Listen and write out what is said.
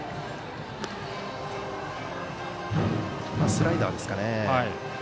スライダーですかね。